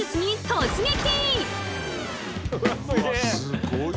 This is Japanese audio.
「突撃！